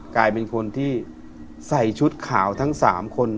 กลายเป็นคนที่ใส่ชุดขาวทั้ง๓คน